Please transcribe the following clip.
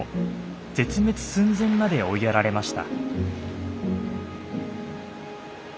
絶滅寸前まで追いやられました。